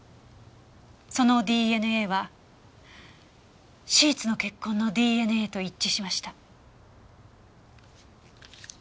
そのＤＮＡはシーツの血痕のＤＮＡと一致しました。